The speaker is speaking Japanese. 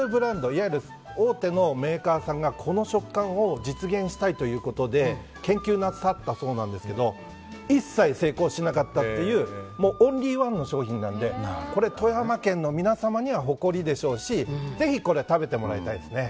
いわゆる大手のメーカーさんがこの食感を実現したいということで研究なさったそうなんですけど一切成功しなかったというオンリーワンの商品なのでこれは富山県の皆さんは誇りでしょうしぜひ、これは食べてもらいたいですね。